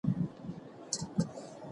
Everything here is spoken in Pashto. معلم صاحب زموږ پاڼه وړاندي کړې وه.